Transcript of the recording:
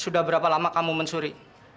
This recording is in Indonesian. sudah berapa lama kamu mensuri